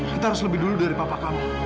kita harus lebih dulu dari papa kamu